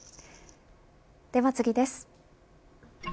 では次です。